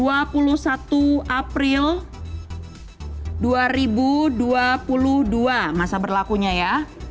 dua puluh satu april dua ribu dua puluh dua masa berlakunya ya